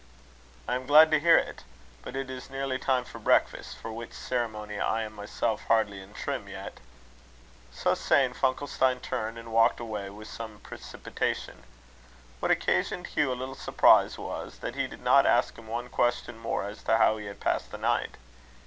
"I am glad to hear it. But it is nearly time for breakfast, for which ceremony I am myself hardly in trim yet." So saying, Funkelstein turned, and walked away with some precipitation. What occasioned Hugh a little surprise; was, that he did not ask him one question more as to how he had passed the night.